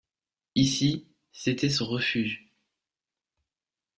Ici, c’était son refuge.